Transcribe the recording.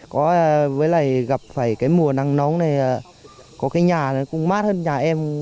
có với lại gặp phải cái mùa nắng nóng này có cái nhà nó cũng mát hơn nhà em